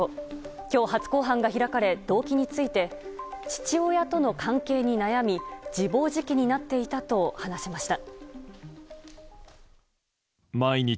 今日初公判が開かれ動機について父親との関係に悩み自暴自棄になっていたと話しました。